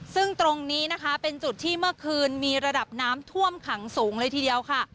ซึ่งตรงนี้นะคะเป็นจุดที่เมื่อคืนมีระดับน้ำท่วมขังสูงเลยทีเดียวค่ะ